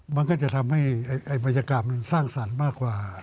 มันก็จะทำให้บรรยากาศมันสร้างสรรค์มากกว่า